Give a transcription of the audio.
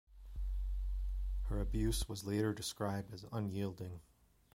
Her abuse was later described as "unyielding".